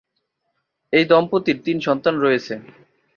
এই দম্পতির তিন সন্তান রয়েছে।